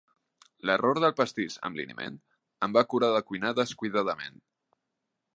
L'error del pastís amb liniment em va curar de cuinar descuidadament.